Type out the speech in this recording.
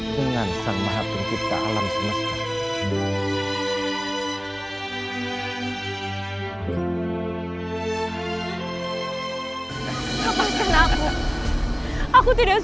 dengan sang maha pencipta alam semesta